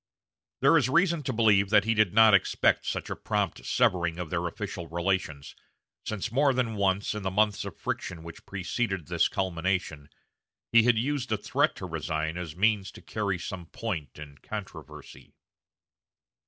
There is reason to believe that he did not expect such a prompt severing of their official relations, since more than once, in the months of friction which preceded this culmination, he had used a threat to resign as means to carry some point in controversy.